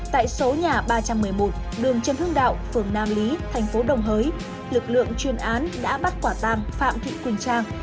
tại số nhà ba trăm một mươi một đường trần hưng đạo phường nam lý thành phố đồng hới lực lượng chuyên án đã bắt quả tang phạm thị quỳnh trang